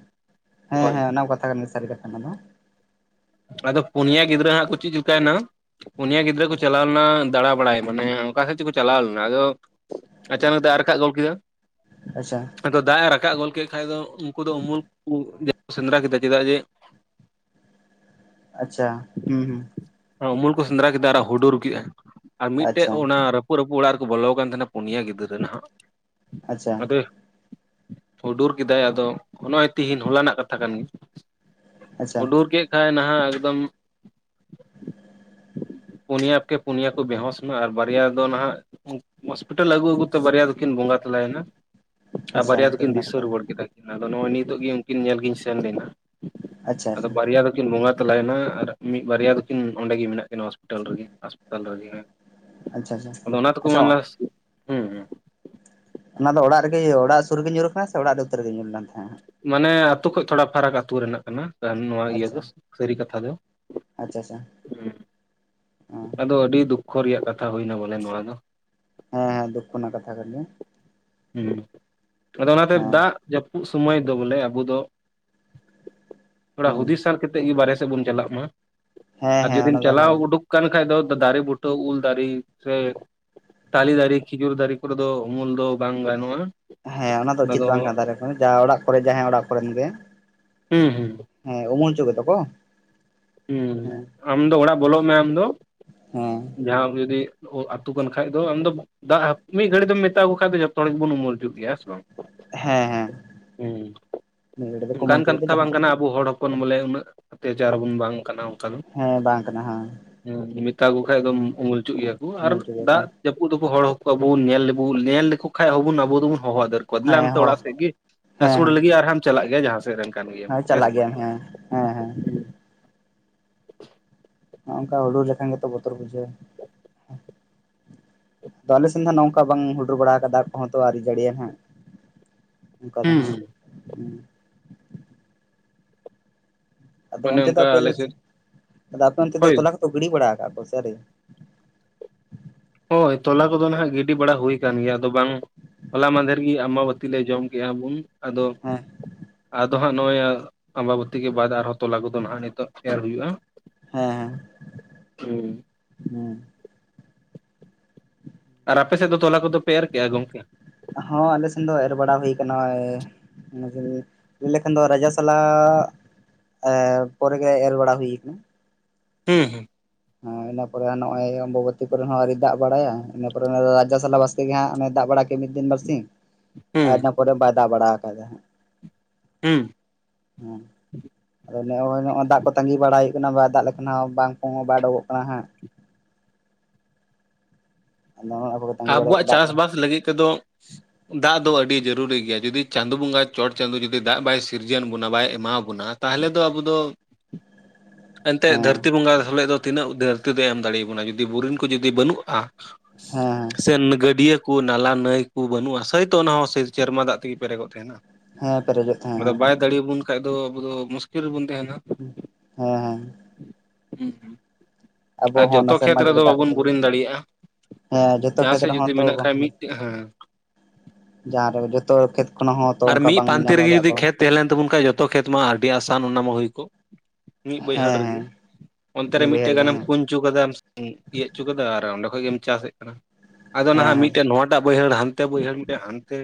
ᱦᱮᱸ ᱦᱳᱭ᱾ ᱦᱮᱸ ᱚᱱᱟ ᱠᱟᱛᱷᱟ ᱠᱟᱱ ᱜᱮᱭᱟ ᱥᱟᱹᱨᱤ ᱠᱟᱛᱷᱟ ᱚᱱᱟ ᱫᱚ ᱟᱫᱚ ᱯᱩᱱᱭᱟ ᱜᱤᱫᱽᱨᱟᱹ ᱦᱟᱸᱜ ᱠᱚ ᱪᱮᱫ ᱪᱤᱠᱟᱭᱮᱱᱟ ᱯᱚᱱᱭᱟ ᱜᱤᱫᱽᱨᱟᱹ ᱠᱚ ᱪᱟᱞᱟᱣ ᱞᱮᱱᱟ ᱫᱟᱲᱟ ᱵᱟᱲᱟᱭᱟ ᱵᱚᱱ ᱦᱮᱸ ᱚᱠᱟ ᱥᱮᱫ ᱛᱮᱠᱚ ᱪᱟᱞᱟᱣ ᱞᱮᱱᱟ ᱟᱫᱚ ᱟᱪᱟᱱᱟᱹᱠ ᱫᱟᱜ ᱮ ᱨᱟᱠᱟᱜ ᱜᱚᱫ ᱠᱮᱫᱟ᱾ ᱟᱪᱪᱷᱟ᱾ ᱟᱫᱚ ᱫᱟᱜ ᱮ ᱨᱟᱠᱟᱵ ᱜᱚᱫ ᱠᱮᱫ ᱠᱷᱟᱡ ᱫᱚ ᱩᱱᱠᱩ ᱫᱚ ᱩᱢᱩᱞ ᱠᱚ ᱥᱮᱸᱫᱽᱨᱟ ᱠᱮᱫᱟ ᱪᱮᱫᱟᱜ ᱡᱮ ᱟᱪᱪᱷᱟ ᱦᱩᱸ ᱦᱩᱸ᱾ ᱩᱢᱩᱞ ᱠᱚ ᱥᱮᱸᱫᱽᱨᱟ ᱠᱮᱫᱟ ᱟᱨ ᱦᱩᱰᱩᱨ ᱠᱮᱫᱼᱟ ᱟᱨ ᱢᱤᱫᱴᱮᱡ ᱟᱪᱪᱷᱟ ᱚᱱᱟ ᱨᱟᱹᱯᱩᱫ ᱨᱟᱹᱯᱩᱫ ᱚᱲᱟᱜ ᱨᱮᱠᱚ ᱵᱚᱞᱚ ᱟᱠᱟᱱ ᱛᱟᱦᱮᱱᱟ ᱯᱩᱱᱭᱟ ᱜᱤᱫᱽᱨᱟᱹ ᱱᱟᱦᱟᱜ ᱟᱪᱪᱷᱟ ᱟᱫᱚ ᱦᱩᱰᱩᱨ ᱠᱮᱫᱟᱭ ᱟᱫᱚ ᱱᱚᱜᱼᱚᱭ ᱛᱤᱦᱤᱧ ᱦᱚᱞᱟᱱᱟᱜ ᱠᱟᱛᱷᱟ ᱠᱟᱱ ᱜᱮ ᱟᱪᱪᱷᱟ ᱦᱩᱰᱩᱨ ᱠᱮᱫ ᱠᱷᱟᱭ ᱱᱟᱦᱟᱜ ᱮᱠᱫᱚᱢ ᱯᱚᱱᱭᱟᱯᱠᱮ ᱯᱚᱱᱭᱟ ᱠᱚ ᱵᱮᱦᱚᱥ ᱱᱟ ᱟᱨ ᱵᱟᱨᱭᱟ ᱫᱚ ᱱᱟᱦᱟᱜ ᱦᱚᱥᱯᱤᱴᱟᱞ ᱟᱹᱜᱩ ᱟᱹᱜᱩᱛᱮ ᱵᱟᱨᱭᱟ ᱫᱚᱠᱤᱱ ᱵᱚᱸᱜᱟ ᱛᱟᱞᱟᱭᱮᱱᱟ᱾ ᱟᱨ ᱟᱪᱪᱷᱟ ᱵᱟᱹᱨᱭᱟ ᱚᱱᱟ ᱫᱚ ᱠᱤᱱ ᱠᱟᱛᱷᱟ ᱠᱟᱱᱟ ᱫᱤᱥᱟᱨᱩᱣᱟᱹᱲ ᱠᱮᱫᱟ᱾ ᱟᱫᱚ ᱱᱚᱜᱼᱚᱭ ᱱᱤᱛᱚᱜ ᱜᱮ ᱩᱱᱠᱤᱱ ᱧᱮᱞ ᱜᱤᱧ ᱥᱮᱱ ᱞᱮᱱᱟ ᱟᱪᱪᱷᱟ ᱟᱫᱚ ᱟᱪᱪᱷᱟ ᱵᱟᱨᱭᱟ ᱫᱚ ᱠᱤᱱ ᱵᱚᱸᱜᱟ ᱛᱟᱞᱟᱭᱮᱱᱟ ᱟᱨ ᱢᱤᱫ ᱵᱟᱨᱭᱟ ᱫᱚᱠᱤᱱ ᱵᱚᱸᱜᱟ ᱛᱟᱞᱟᱭᱮᱱᱟ ᱟᱨ ᱢᱤᱫ ᱵᱟᱨᱭᱟ ᱫᱚᱠᱤᱱ ᱚᱱᱰᱮ ᱜᱮ ᱢᱮᱱᱟᱜ ᱠᱤᱱᱟ ᱦᱚᱥᱯᱤᱴᱟᱞ ᱨᱮᱜᱮ ᱦᱟᱥᱯᱟᱛᱟᱞ ᱨᱮᱜᱮ ᱦᱮᱸ᱾ ᱟᱪᱪᱷᱟ ᱟᱪᱪᱷᱟ ᱟᱫᱚ ᱚᱱᱟ ᱛᱮᱠᱚ ᱟᱪᱪᱷᱟ ᱢᱮᱱᱞᱟᱥ ᱦᱩᱸ ᱚᱱᱟ ᱫᱚ ᱚᱲᱟᱜ ᱨᱮᱜᱮ ᱚᱲᱟᱜ ᱥᱩᱨ ᱨᱮᱜᱮ ᱧᱩᱨ ᱟᱠᱟᱱᱟ ᱥᱮ ᱚᱲᱟᱜ ᱨᱮ ᱩᱛᱟᱹᱨ ᱨᱮᱜᱮ ᱧᱩᱨ ᱞᱮᱱ ᱛᱟᱦᱮᱸᱼᱟ? ᱢᱟᱱᱮ ᱟᱛᱳ ᱠᱷᱚᱡ ᱛᱷᱚᱲᱟ ᱯᱷᱟᱨᱟᱠ ᱟᱹᱛᱩ ᱨᱮᱱᱟᱜ ᱠᱟᱱᱟ᱾ ᱱᱚᱣᱟ ᱤᱭᱟᱹ ᱟᱪᱪᱷᱟ ᱫᱚ ᱥᱟᱹᱨᱤ ᱠᱟᱛᱷᱟ ᱫᱚ, ᱟᱪᱪᱷᱟ ᱟᱪᱪᱷᱟ ᱦᱩᱸ ᱟᱫᱚ ᱟᱹᱰᱤ ᱫᱩᱠᱠᱷᱚ ᱨᱮᱭᱟᱜ ᱠᱟᱛᱷᱟ ᱦᱩᱭᱱᱟ ᱵᱚᱞᱮ ᱱᱚᱣᱟ ᱫᱚ᱾ ᱦᱮᱸ ᱦᱮᱸ ᱫᱩᱠᱷᱚ ᱨᱮᱱᱟᱜ ᱠᱟᱛᱷᱟ ᱠᱟᱱᱟ᱾ ᱦᱩᱸ ᱟᱫᱚ ᱚᱱᱟᱛᱮ ᱫᱟᱜᱽ ᱡᱟᱹᱯᱩᱫ, ᱥᱚᱢᱚᱭ ᱫᱚ ᱵᱚᱞᱮ ᱟᱵᱚ ᱫᱚ ᱛᱷᱚᱲᱟ ᱦᱮᱸ ᱦᱩᱫᱤᱥᱟᱨ ᱠᱟᱛ ᱛᱮ ᱜᱮ ᱵᱟᱨᱦᱮ ᱥᱮᱫ ᱵᱚᱱ ᱪᱟᱞᱟᱜ ᱢᱟ᱾ ᱦᱮᱸ ᱟᱨ ᱦᱮᱸ ᱦᱮᱸ ᱡᱩᱫᱤᱢ ᱚᱱᱟ ᱫᱚ ᱪᱟᱞᱟᱣ ᱦᱳᱭ ᱩᱰᱩᱠ, ᱠᱟᱱ ᱠᱷᱟᱡ ᱫᱚ ᱫᱟᱨᱮ ᱵᱩᱴᱟᱹ ᱩᱞ ᱫᱟᱨᱮ ᱥᱮ, ᱛᱟᱞᱮ ᱫᱟᱨᱮ ᱠᱷᱤᱡᱩᱨ ᱫᱟᱨᱮ ᱠᱚᱨᱮ ᱫᱚ ᱩᱢᱩᱞ ᱫᱚ ᱵᱟᱝ ᱜᱟᱱᱚᱜᱼᱟ᱾ ᱦᱮᱸ ᱚᱱᱟ ᱫᱚ ᱩᱪᱤᱛ ᱵᱟᱝ ᱠᱟᱱ ᱛᱮ ᱡᱟᱦᱟᱸ ᱚᱲᱟᱜ ᱠᱚᱨᱮ ᱡᱟᱦᱟᱸᱟᱭ ᱚᱲᱟᱜ ᱠᱚᱨᱮᱱ ᱜᱮ᱾ ᱦᱩᱸ ᱦᱩᱸ, ᱦᱮᱸ ᱩᱢᱩᱞ ᱪᱩ ᱠᱮᱫᱟ ᱠᱚ ᱦᱩᱸ ᱦᱮᱸ ᱟᱢ ᱫᱚ ᱚᱲᱟᱜ ᱵᱚᱞᱚᱜ ᱢᱮ ᱟᱢ ᱫᱚ, ᱦᱮᱸ, ᱡᱟᱦᱟᱸ ᱠᱚ ᱡᱩᱫᱤ ᱟᱹᱛᱩ ᱠᱟᱱ ᱠᱷᱟᱭ ᱫᱚ ᱟᱢ ᱫᱟᱜᱽ ᱢᱤᱫ ᱜᱷᱟᱹᱲᱤᱜ ᱫᱚᱢ ᱢᱮᱛᱟᱣᱟᱠᱚ ᱠᱷᱟᱱ ᱫᱚ ᱡᱚᱛᱚ ᱦᱚᱲ ᱜᱮᱵᱚᱱ ᱩᱢᱩᱞ ᱩᱪᱩᱜ ᱜᱮᱭᱟ ᱥᱮ ᱵᱟᱝ, ᱦᱮᱸ ᱦᱮᱸ ᱦᱩᱸ ᱱᱤᱭᱟᱹ ᱜᱷᱟᱹᱲᱤ ᱫᱚ ᱠᱳᱢᱚᱞ ᱚᱱᱠᱟᱱ ᱪᱩᱠ ᱠᱟᱱ ᱫᱚ ᱠᱟᱛᱷᱟ ᱵᱟᱝ ᱡᱟᱦᱟᱸ ᱠᱟᱱᱟ ᱟᱵᱚ ᱦᱚᱲ ᱦᱚᱯ ᱯᱚᱱ ᱵᱚᱞᱮ ᱩᱱᱟᱹᱜ ᱚᱛᱟᱭᱪᱟᱨ ᱵᱚᱱ ᱵᱟᱝ ᱠᱟᱱᱟ ᱚᱱᱠᱟ ᱫᱚ, ᱦᱟᱸ ᱦᱮᱸ ᱢᱮᱛᱟ ᱠᱚ ᱠᱷᱟᱭ ᱫᱚᱢ ᱩᱢᱩᱞ ᱚᱪᱚ ᱜᱮᱭᱟ ᱠᱚ ᱟᱨ ᱩᱢᱩᱞ ᱪᱩᱠ ᱫᱟᱜᱽ ᱠᱟᱱᱟ ᱡᱟᱹᱯᱩᱫ ᱵᱩ ᱦᱚᱲ ᱦᱚᱸ ᱟᱵᱚᱱ ᱧᱮᱞ ᱞᱮᱵᱚ ᱧᱮᱞ ᱞᱮᱠᱚ ᱠᱷᱟᱭ ᱦᱚᱵᱚᱱ ᱫᱚᱵᱚᱱ ᱦᱚᱦᱚ ᱟᱫᱮᱨ ᱠᱚᱫᱞᱟᱭᱟᱢ ᱦᱮᱸ ᱛᱚ ᱦᱚᱸ ᱚᱲᱟᱜ ᱥᱮᱡᱜᱮ ᱟᱹᱥᱩᱲ ᱞᱟᱹᱜᱤᱫ ᱟᱨᱦᱚᱢ ᱪᱟᱞᱟᱜ ᱜᱮᱭᱟ ᱡᱟᱦᱟᱸ ᱥᱮᱜ ᱨᱮᱱ ᱠᱟᱱ ᱜᱮᱭᱟᱢ ᱦᱳᱭ ᱥᱮ ᱪᱟᱞᱟᱜ ᱵᱟᱝ ᱜᱮᱭᱟᱢ ᱦᱮᱸ, ᱦᱮᱸ ᱦᱮᱸ ᱦᱩᱸ ᱚᱝᱠᱟ ᱦᱩᱲᱩ ᱞᱮᱠᱷᱟᱱ ᱜᱮᱛᱚ ᱵᱚᱛᱚᱨ ᱵᱩᱡᱷᱟᱹᱜ, ᱛᱚ ᱟᱞᱮ ᱥᱮᱱ ᱫᱚ ᱱᱚᱝᱠᱟ ᱵᱟᱝ ᱦᱩᱰᱩᱨ ᱵᱟᱲᱟ ᱠᱟᱫᱟ ᱫᱟᱜ ᱠᱚᱦᱚᱸ ᱛᱚ ᱟᱹᱨᱤ ᱡᱟᱹᱲᱤᱭᱟ ᱦᱟᱜ, ᱚᱱᱠᱟ ᱫᱚ ᱦᱟᱸᱜ, ᱦᱩᱸ ᱦᱩᱸ ᱟᱫᱚ ᱚᱱᱮ ᱚᱱᱛᱮ ᱫᱚ ᱚᱱᱠᱟ ᱟᱯᱮ ᱟᱞᱮᱥᱮᱫ ᱟᱫᱚ ᱟᱯᱮ ᱚᱱᱛᱮ ᱫᱚ ᱦᱳᱭ ᱛᱚᱞᱟ ᱠᱚᱫᱚ ᱜᱤᱲᱤ ᱵᱟᱲᱟ ᱟᱠᱟᱫ ᱠᱟᱜᱼᱟ ᱠᱚᱱ ᱥᱟᱹᱨᱤ ᱦᱚᱭ ᱛᱚᱞᱟ ᱠᱚᱫᱚ ᱱᱟᱦᱱᱟᱜ ᱜᱤᱰᱤ ᱵᱟᱲᱟ ᱦᱳᱹᱚᱭᱭ ᱟᱠᱟᱱ ᱜᱮᱭᱟ ᱟᱫᱚ ᱵᱟᱝ, ᱦᱚᱞᱟ ᱢᱟᱫᱷᱮᱨ ᱜᱮ ᱟᱢᱟᱟ ᱵᱟᱹᱛᱤ ᱞᱮ ᱡᱚᱢ ᱠᱮᱜᱼᱟ ᱵᱚᱱ ᱟᱫᱚ, ᱦᱮᱸ ᱟᱫᱚ ᱦᱟᱸᱜ ᱱᱚᱜᱼᱚᱭ ᱟᱢᱵᱟᱵᱟᱹᱛᱤ ᱜᱮ ᱵᱟᱫ ᱟᱨᱦᱚᱸ ᱛᱚᱞᱟ ᱫᱚ ᱦᱟᱸᱜ ᱱᱤᱛᱚᱜ ᱮᱨ ᱦᱩᱭᱩᱜᱼᱟ᱾ ᱦᱮᱸ ᱦᱩᱸ ᱦᱮᱸ ᱦᱩᱸ, ᱟᱨ ᱟᱯᱮ ᱥᱮᱫ ᱫᱚ ᱛᱚᱞᱟ ᱠᱚᱫᱚ ᱯᱮ ᱮᱨ ᱠᱮᱭᱼᱟ ᱜᱚᱝᱠᱮ? ᱦᱚᱸ ᱟᱞᱮ ᱥᱮᱱ ᱫᱚ ᱮᱨ ᱵᱟᱲᱟ ᱦᱩᱭ ᱠᱟᱱᱟ ᱱᱚᱜ ᱚᱭ ᱞᱟᱹᱭ ᱞᱮᱠᱷᱟᱱ ᱫᱚ ᱨᱟᱡᱟ ᱥᱟᱞᱟᱜ ᱮᱸ ᱯᱚᱨᱮᱜ ᱜᱮ ᱮᱨ ᱵᱟᱲᱟ ᱦᱩᱭ ᱠᱟᱱᱟ᱾ ᱦᱩᱸ ᱦᱩᱸ, ᱦᱮᱸ ᱤᱱᱟ ᱯᱚᱨᱮ ᱱᱚᱜᱼᱚᱭ ᱚᱢᱵᱟᱵᱚᱛᱤ ᱠᱚᱨᱮ ᱦᱚᱸ ᱟᱣᱨᱤ ᱫᱟᱜᱲ ᱵᱟᱲᱟᱭᱟ ᱤᱱᱟ ᱯᱚᱨᱮ ᱨᱟᱡᱟ ᱥᱟᱞᱟᱜ ᱵᱟᱥ ᱜᱮ ᱦᱟᱸᱜ ᱚᱱᱮ ᱫᱟᱜᱽ ᱵᱟᱲᱟ ᱠᱮᱫ ᱢᱤᱫ ᱫᱤᱱ ᱵᱟᱨᱥᱤᱧ ᱤᱱᱟᱹ ᱦᱩᱸ ᱟᱨ ᱤᱱᱟᱹ ᱯᱚᱨᱮ ᱵᱟᱭ ᱫᱟᱜᱽ ᱵᱟᱲᱟ ᱟᱠᱟᱫᱟ ᱦᱟᱸᱜ᱾ ᱦᱩᱸ ᱦᱚᱸ ᱟᱫᱚ ᱱᱚᱜᱼᱚᱭ ᱱᱚᱜᱼᱚᱭ ᱫᱟᱜᱽ ᱠᱚ ᱛᱟᱸᱜᱤ ᱵᱟᱲᱟ ᱦᱩᱭᱩᱜ ᱠᱟᱱᱟ ᱵᱟᱭ ᱫᱟᱜᱽ ᱞᱮᱠᱷᱟᱱ ᱵᱟᱝ ᱠᱚ ᱵᱟᱭ ᱫᱟᱜᱚᱜ ᱠᱟᱱᱟ ᱦᱟᱸᱜ᱾ ᱚᱱᱟᱦᱚ ᱟᱵᱚ ᱟᱵᱚᱣᱟᱜ ᱪᱟᱥᱵᱟᱥ ᱞᱟᱹᱜᱤᱜ ᱛᱮᱫᱚ, ᱫᱟᱜᱽ ᱫᱚ ᱟᱹᱰᱤ ᱡᱟᱹᱨᱩᱨᱤ ᱜᱮᱭᱟ ᱡᱩᱫᱤ ᱪᱟᱸᱫ ᱵᱚᱸᱜᱟ ᱪᱚᱴ ᱪᱟᱸᱫ ᱡᱩᱫᱤ ᱫᱟᱜᱽ ᱵᱟᱭ ᱥᱤᱨᱡᱚᱱ ᱵᱚᱱᱟ ᱵᱟᱭ ᱮᱢᱟ ᱵᱚᱱᱟ, ᱛᱟᱦᱚᱞᱮ ᱫᱚ ᱟᱵᱚ ᱫᱚᱼᱼ [inaudible] ᱮᱱᱛᱮ ᱦᱮᱸ ᱫᱷᱟᱹᱨᱛᱤ ᱵᱚᱸᱜᱟ ᱦᱤᱞᱚᱜ ᱫᱚ ᱛᱤᱱᱟᱹᱜ [unintelligible] ᱫᱚᱭ ᱮᱢ ᱫᱟᱲᱮᱭ ᱟᱵᱚᱱᱟ ᱡᱩᱫᱤ [unintelligible] ᱡᱩᱫᱤ ᱵᱟᱹᱱᱩᱜᱼᱟ ᱦᱮᱸ ᱥᱮ ᱜᱟᱹᱰᱭᱟᱹ ᱠᱚ ᱱᱟᱞᱟ ᱱᱟᱹᱭ ᱠᱚ ᱵᱟᱹᱱᱩᱜᱼᱟ ᱥᱚᱭᱛᱚ ᱚᱱᱟ ᱦᱚᱸ ᱥᱮᱨᱢᱟ ᱫᱟᱜ ᱛᱮᱜᱮ ᱯᱮᱨᱮᱜᱚᱜ ᱛᱟᱦᱮᱱᱟ ᱦᱮᱸ ᱯᱮᱨᱮᱡᱚᱜ ᱛᱟᱦᱮᱸᱜᱼᱟ ᱟᱫᱚ ᱵᱟᱭ ᱫᱟᱲᱮᱭ ᱟᱵᱚᱱ ᱠᱷᱟᱡ ᱫᱚ ᱟᱵᱚ ᱫᱚ ᱢᱩᱥᱠᱤᱞ ᱨᱮᱵᱚᱱ ᱛᱟᱦᱮᱱᱟ ᱦᱮᱸ ᱦᱮᱸᱼᱼ ᱦᱩᱸ ᱟᱵᱚ ᱟᱨ ᱦᱚᱸ ᱡᱚᱛᱚ ᱚᱱᱟ ᱠᱷᱮᱛ ᱥᱮᱨᱢᱟ ᱡᱟᱹᱲᱤ ᱨᱮᱫᱚ ᱫᱟᱜ ᱵᱟᱵᱚᱱ ᱠᱚᱛᱮ ᱜᱮ ᱵᱩᱨᱤᱱ ᱫᱟᱲᱮᱭᱟᱜᱼᱟ ᱦᱮᱸ ᱡᱚᱛᱚ ᱡᱟᱦᱟᱸ ᱠᱷᱮᱛ ᱥᱮᱫ ᱨᱮᱦᱚᱸ ᱡᱩᱫᱤ ᱛᱚ ᱢᱮᱱᱟᱜ ᱠᱷᱟᱡ ᱢᱤᱫᱴᱮᱡ ᱦᱮᱸᱼᱼ ᱡᱟᱦᱟᱸ ᱨᱮ ᱡᱚᱛᱚ ᱠᱷᱮᱛ ᱠᱷᱚᱱᱟᱜ ᱦᱚᱸ ᱛᱚ ᱟᱨ ᱚᱱᱠᱟ ᱢᱤᱫ ᱵᱟᱝ ᱯᱟᱱᱛᱮ ᱧᱟᱢᱚᱜ ᱨᱮᱜᱮ ᱫᱟ ᱡᱩᱫᱤ ᱠᱚᱼᱼ ᱠᱷᱮᱛ ᱛᱟᱦᱮᱸ ᱞᱮᱱ ᱛᱟᱵᱚᱱ ᱠᱷᱟᱡ ᱡᱚᱛᱚ ᱠᱷᱮᱛ ᱢᱟ ᱟᱹᱰᱤ ᱟᱥᱟᱱ ᱚᱱᱟ ᱢᱟ ᱦᱩᱭ ᱠᱚᱜ ᱢᱤᱫ ᱵᱟᱹᱭᱦᱟᱹᱲ ᱦᱮᱸ ᱨᱮ ᱜᱮ ᱦᱮᱸ ᱚᱱᱛᱮ ᱨᱮ ᱱᱤᱭᱟᱹ ᱵᱟᱹᱭᱦᱟᱹᱲ ᱢᱤᱫᱴᱮᱡ ᱜᱮ ᱜᱟᱱᱮᱢ ᱦᱮᱸ ᱠᱩᱧ [unintelligible] ᱤᱭᱟᱹᱪ ᱠᱟᱫᱟ ᱚᱸᱰᱮ ᱠᱷᱚᱡ ᱜᱮᱢ ᱪᱟᱥ ᱮᱫ ᱠᱟᱱᱟ ᱟᱫᱚ ᱱᱟᱦᱟᱜ ᱦᱮᱸ ᱢᱤᱫᱴᱮᱱ ᱮᱴᱟᱜ ᱵᱟᱹᱭᱦᱟᱹᱲ ᱦᱟᱱᱛᱮ ᱵᱟᱹᱭᱦᱟᱹᱲ ᱢᱤᱫᱴᱮᱱ ᱦᱟᱱᱛᱮ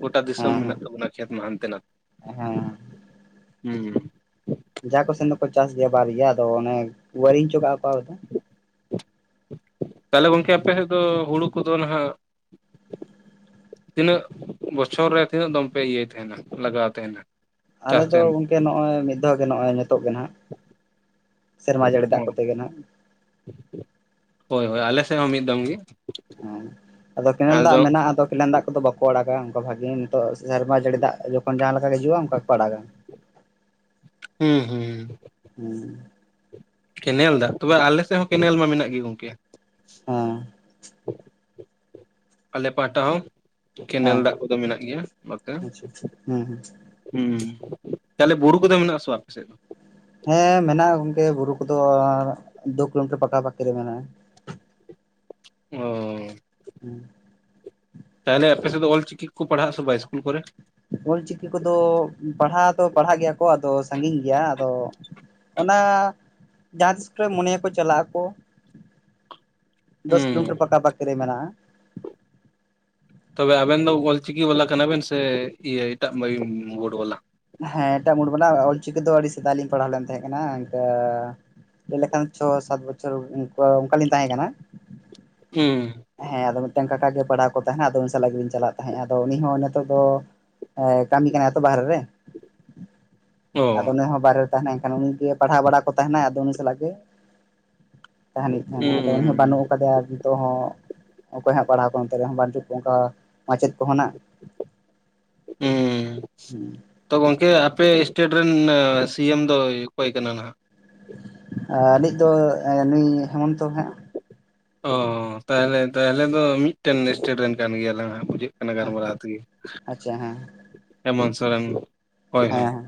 ᱜᱚᱴᱟ ᱫᱤᱥᱚᱢ ᱦᱮᱸ ᱦᱮᱸ ᱢᱮᱱᱟᱜ ᱛᱟᱵᱚᱱᱟ ᱠᱷᱮᱛ ᱢᱟ ᱦᱟᱱᱛᱮ ᱱᱟᱛᱮᱼᱼ ᱦᱮᱸ ᱦᱩᱸ ᱡᱟᱦᱟᱸ ᱠᱚ ᱥᱮᱱ ᱫᱚᱠᱚ ᱪᱟᱥ ᱜᱮᱭᱟ ᱵᱟᱨ ᱜᱮᱭᱟ ᱟᱫᱚ ᱚᱱᱮ ᱣᱟᱹᱨᱤᱝ ᱪᱚ ᱠᱟᱜᱼᱟ ᱠᱚ ᱫᱚᱼᱼ ᱛᱟᱦᱞᱮ ᱜᱚᱢᱠᱮ ᱟᱯᱮ ᱥᱮᱫ ᱫᱚ ᱦᱩᱲᱩ ᱠᱚ ᱫᱚ ᱱᱟᱜ ᱛᱤᱱᱟᱹᱜ ᱵᱚᱪᱷᱚᱨ ᱨᱮ ᱛᱤᱱᱟᱹᱜ ᱫᱚᱢ ᱯᱮ ᱤᱭᱟᱹᱭ ᱛᱟᱦᱮᱱᱟ ᱞᱟᱜᱟᱣ ᱛᱟᱦᱮᱱᱟ ᱟᱞᱮ ᱪᱟᱥ ᱫᱚ ᱛᱟᱦᱮᱱᱟ ᱜᱚᱝᱠᱮ ᱱᱚᱜᱼᱚᱭ ᱢᱤᱫ ᱫᱷᱟᱣ ᱜᱮ ᱱᱚᱜᱼᱚᱭ ᱱᱤᱛᱚᱜ ᱜᱮ ᱱᱟᱜᱼᱼ ᱥᱮᱨᱢᱟ ᱡᱟᱹᱲᱤ ᱫᱟᱜ ᱠᱚᱛᱮ ᱜᱮ ᱱᱟᱜ ᱦᱳᱭ ᱦᱳᱭ ᱟᱞᱮ ᱥᱮᱫ ᱦᱚᱸ ᱢᱤᱫ ᱫᱚᱢ ᱜᱮᱼᱼ ᱦᱮᱸ ᱟᱫᱚ ᱠᱮᱱᱮᱞ ᱫᱟᱜ ᱢᱮᱱᱟᱜᱼᱟ ᱟᱫᱚᱼᱼ ᱠᱮᱞᱮᱱ ᱫᱟᱜ ᱠᱚ ᱫᱚ ᱵᱟᱠᱚ ᱟᱲᱟᱜᱟ ᱚᱱᱠᱟ ᱵᱷᱟᱜᱤ ᱱᱤᱛᱚᱜ ᱥᱮᱨᱢᱟ ᱡᱟᱹᱲᱤ ᱫᱟᱜ ᱡᱚᱠᱷᱚᱱ ᱡᱟᱦᱟᱸ ᱞᱮᱠᱟ ᱦᱤᱡᱩᱜᱼᱟ ᱚᱱᱠᱟ ᱜᱮᱠᱚ ᱟᱲᱟᱜᱟ ᱦᱩᱸ ᱦᱩᱸ ᱦᱩᱸ ᱠᱮᱱᱮᱞ ᱫᱟᱜ ᱛᱚᱵᱮ ᱟᱞᱮ ᱥᱮᱫ ᱦᱚᱸ ᱠᱮᱱᱮᱞ ᱢᱟ ᱢᱮᱱᱟᱜ ᱜᱮ ᱜᱚᱝᱠᱮ [unintelligible] ᱟᱞᱮ ᱯᱟᱦᱴᱟ ᱦᱚᱸᱼᱼ ᱠᱮᱱᱮᱞ ᱦᱮᱸ ᱫᱟᱜ ᱠᱚᱫᱚ ᱢᱮᱱᱟᱜ ᱜᱮᱭᱟ ᱵᱟᱛᱮᱼᱼ ᱟᱪᱪᱷᱟ ᱦᱩᱸ ᱦᱩᱸ ᱦᱮᱸ ᱛᱟᱦᱚᱞᱮ ᱵᱩᱨᱩ ᱠᱚᱫᱚ ᱢᱮᱱᱟᱜ ᱟᱥᱮ ᱟᱯᱮ ᱥᱮᱫ ᱫᱚᱼᱼ ᱦᱮᱸ ᱢᱮᱱᱟᱜᱼᱟ ᱜᱚᱝᱠᱮ ᱵᱩᱨᱩ ᱠᱚᱫᱚ ᱫᱩ ᱠᱤᱞᱳᱢᱤᱴᱟᱨ ᱯᱟᱠᱟ ᱯᱟᱠᱤ ᱨᱮ ᱢᱮᱱᱟᱜᱼᱟ [unintelligible] [unintelligible] ᱛᱟᱦᱚᱞᱮ ᱟᱯᱮ ᱥᱮᱫ ᱚᱞᱪᱤᱠᱤ ᱠᱚ ᱯᱟᱲᱦᱟᱜ ᱟ ᱥᱮ ᱵᱟᱭ ᱤᱥᱠᱩᱞ ᱠᱚ ᱨᱮᱼᱼ ᱚᱞᱪᱤᱠᱤ ᱠᱚᱫᱚ ᱯᱟᱲᱦᱟᱣ ᱫᱚ ᱯᱟᱲᱦᱟᱜ ᱜᱮᱭᱟ ᱠᱚ ᱟᱫᱚ ᱥᱟᱺᱜᱤᱧ ᱜᱮᱭᱟ ᱟᱫᱚᱼᱼ ᱚᱱᱟ ᱡᱟᱦᱟᱸ ᱛᱤᱥ ᱠᱚᱨᱮ ᱢᱚᱱᱮᱭ ᱟᱠᱚ ᱪᱟᱞᱟᱜ ᱟᱠᱚᱼᱼ ᱫᱚᱥ ᱦᱩᱸ ᱠᱤᱞᱳᱢᱤᱴᱟᱨ ᱯᱟᱠᱟ ᱯᱟᱠᱤ ᱨᱮ ᱢᱮᱱᱟᱜᱼᱟ ᱛᱚᱵᱮ ᱟᱵᱮᱱ ᱫᱚ ᱚᱞ ᱪᱤᱠᱤ ᱵᱟᱞᱟ ᱠᱟᱱᱟ ᱵᱮᱱ ᱥᱮ ᱤᱭᱟᱹ ᱮᱴᱟᱜ ᱵᱳᱰ ᱵᱟᱞᱟ ᱦᱮᱸ ᱮᱴᱟᱜ ᱵᱩᱰ ᱵᱟᱞᱟ ᱚᱞᱪᱤᱠᱤ ᱫᱚ ᱟᱹᱰᱤ ᱥᱮᱫᱟᱭ ᱞᱤᱧ ᱯᱟᱲᱦᱟᱣ ᱞᱮᱱ ᱛᱟᱦᱮᱸ ᱠᱟᱱᱟ ᱤᱱᱠᱟᱹᱼᱼ ᱞᱟᱹᱭ ᱞᱮᱠᱷᱟᱱ ᱪᱷᱚ ᱥᱟᱛ ᱵᱚᱪᱷᱚᱨ ᱚᱱᱠᱟ ᱚᱱᱠᱟᱞᱤᱧ ᱛᱟᱦᱮᱸ ᱠᱟᱱᱟ ᱦᱩᱸ ᱦᱮᱸ ᱟᱫᱚ ᱢᱤᱫᱴᱟᱝ ᱠᱟᱠᱟ ᱜᱮ ᱯᱟᱲᱦᱟᱣ ᱠᱚ ᱛᱟᱦᱮᱸᱱᱟ ᱟᱫᱚ ᱩᱱᱤ ᱥᱟᱞᱟᱜ ᱜᱮᱞᱤᱧ ᱪᱟᱞᱟᱜ ᱛᱟᱦᱮᱸᱜ-ᱟ ᱟᱫᱚ ᱩᱱᱤ ᱦᱚᱸ ᱱᱤᱛᱚᱜ ᱫᱚ ᱮᱸ ᱠᱟᱢᱤ ᱠᱟᱱᱟᱭ ᱛᱚ ᱵᱟᱦᱨᱮ ᱨᱮᱼᱼ ᱟᱫᱚ ᱚ ᱩᱱᱤ ᱦᱚᱸ ᱵᱟᱦᱨᱮ ᱛᱟᱦᱮᱸᱱᱟᱭ ᱮᱱᱠᱷᱟᱱ ᱩᱱᱤ ᱜᱮ ᱯᱟᱲᱦᱟᱣ ᱵᱟᱲᱟ ᱠᱚ ᱛᱟᱦᱮᱸ ᱱᱟᱭ ᱟᱫᱚ ᱩᱱᱤ ᱥᱟᱞᱟᱜ ᱜᱮᱼᱼ ᱛᱟᱦᱮᱱ ᱦᱩᱭᱩᱜ ᱛᱟᱦᱮᱱᱟ᱾ᱟᱫᱚ ᱩᱱᱤ ᱦᱚᱸ ᱵᱟᱹᱱᱩᱜ ᱦᱩᱸ ᱟᱠᱟᱫᱮᱭᱟ᱾ ᱟᱨ ᱱᱤᱛᱚᱜ ᱦᱚᱸ ᱚᱠᱚᱭ ᱦᱟᱸᱜ ᱯᱟᱲᱦᱟᱣ ᱠᱚ᱾ ᱚᱱᱛᱮ ᱨᱮᱦᱚᱸ ᱵᱟᱹᱱᱪᱩ-ᱜ ᱠᱚ ᱚᱝᱠᱟ ᱢᱟᱪᱮᱫ ᱠᱚᱼᱦᱚᱸ ᱱᱟᱜ ᱦᱩᱸ [unintelligible] ᱸ ᱛᱚ ᱜᱚᱝᱠᱮ, ᱟᱯᱮ ᱤᱥᱴᱮᱴ ᱨᱮᱱ ᱥᱤ ᱮᱢ ᱫᱚᱭ ᱚᱠᱚᱭ ᱠᱟᱱᱟ ᱱᱟᱦᱜ? ᱟᱞᱮᱭᱤᱡ ᱫᱚ ᱱᱩᱭ ᱦᱮᱢᱚᱱᱛᱚ ᱦᱟᱸᱜ ᱚ ᱛᱟᱦᱞᱮ, ᱛᱟᱦᱞᱮ ᱫᱚ ᱢᱤᱫᱴᱮᱱ ᱤᱥᱴᱮᱴ ᱨᱮᱱ ᱠᱟᱱ ᱜᱮᱭᱟᱞᱟᱝ ᱵᱩᱡᱟᱹᱜ ᱜᱟᱨᱢᱟᱨᱟ ᱛᱤᱜᱤ ᱟᱪᱪᱷᱟ ᱦᱮᱸ ᱦᱮᱢᱚᱱ ᱥᱚᱨᱮᱱ᱾ ᱦᱳᱭ ᱦᱮᱸ ᱦᱳᱭ ᱦᱮᱸ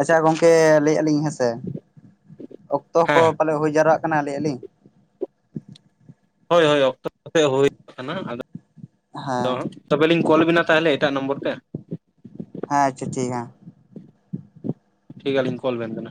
ᱟᱪᱪᱷᱟ ᱜᱚᱝᱠᱮ ᱞᱟᱹᱭᱮᱜ-ᱟ᱾ ᱞᱤᱧ ᱦᱮᱸ ᱥᱮ ᱾ᱟᱠ ᱛᱚ ᱠᱚ ᱦᱮᱸ ᱯᱟᱞᱮᱜ ᱦᱩᱭ ᱡᱟᱣᱨᱟᱣᱟ-ᱜ ᱠᱟᱱᱟ᱾ ᱞᱟᱹᱭ-ᱟ ᱞᱤᱧ ᱦᱳᱭ, ᱦᱳᱭ ᱚᱠᱛᱚ ᱦᱩᱭ ᱟᱠᱟᱱᱟ᱾ ᱟᱫᱚ ᱦᱮᱸ ᱛᱚᱵᱮ ᱞᱤᱧ ᱠᱚᱞᱵᱤᱱᱟ᱾ ᱛᱟᱦᱞᱮ ᱮᱴᱟᱜ ᱱᱚᱢᱵᱚᱨ ᱛᱮ᱾ ᱦᱮᱸ ᱟᱪᱷᱟ ᱴᱷᱤᱠ ᱦᱟᱸ ᱴᱷᱤᱠ ᱜᱮ ᱟᱞᱤᱧ ᱠᱚᱞ ᱵᱮᱱ ᱠᱟᱱᱟ᱾